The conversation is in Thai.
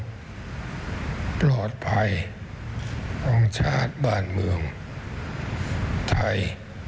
ปลอดภัยของชาติบ้านเมืองไทย